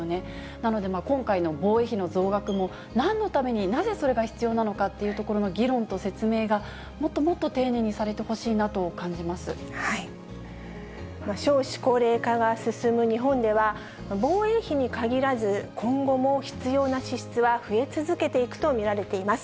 なので、今回の防衛費の増額も、なんのために、なぜそれが必要なのかっていうところの議論と説明が、もっともっと丁寧にされてほ少子高齢化が進む日本では、防衛費にかぎらず、今後も必要な支出は増え続けていくと見られています。